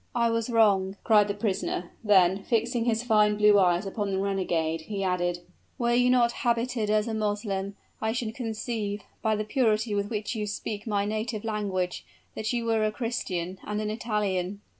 "I was wrong!" cried the prisoner; then, fixing his fine blue eyes upon the renegade, he added, "Were you not habited as a Moslem, I should conceive, by the purity with which you speak my native language, that you were a Christian, and an Italian."